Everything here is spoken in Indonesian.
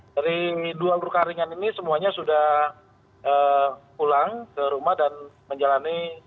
dari dua luka ringan ini semuanya sudah pulang ke rumah dan menjalani